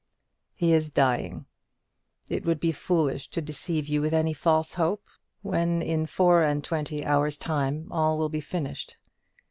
"He is dying. It would be foolish to deceive you with any false hope, when in four and twenty hours' time all will be finished.